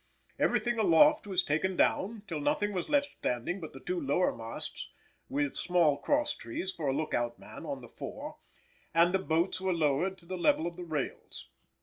Everything aloft was taken down, till nothing was left standing but the two lower masts with small cross trees for a look out man on the fore, and the boats were lowered to the level of the rails.